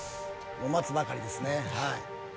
待つばかりですねはい。